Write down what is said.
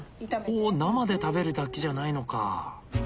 ほう生で食べるだけじゃないのか。